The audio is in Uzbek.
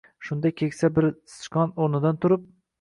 Shunda keksa bir Cichqon o‘rnidan turib: